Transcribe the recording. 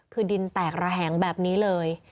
คือดินแตกระแหงแบบนี้เลย